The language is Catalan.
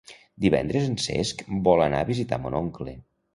Divendres en Cesc vol anar a visitar mon oncle.